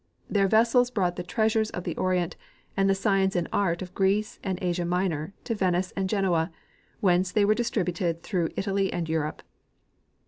Their vessels brought the treasures of the Orient and the science and art of Greece and Asia Minor to Venice and Genoa, whence they were distributed through Italy and Europe.